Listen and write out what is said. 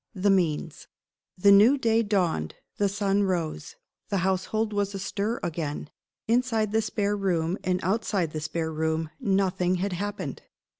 THE MEANS. THE new day dawned; the sun rose; the household was astir again. Inside the spare room, and outside the spare room, nothing had happened.